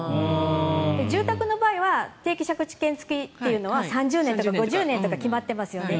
住宅の場合は定期借地権付きというのは３０年とか５０年とか決まっていますよね。